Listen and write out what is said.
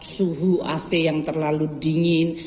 suhu ac yang terlalu dingin